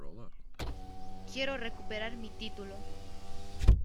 Quiero recuperar mi título".